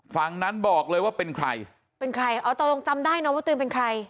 ฝั่งนั้นบอกเลยว่าเป็นใครตรงจำได้เนาะว่าเป็นใคร